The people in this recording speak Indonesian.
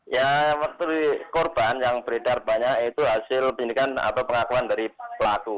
ya waktu korban yang beredar banyak itu hasil penyidikan atau pengakuan dari pelaku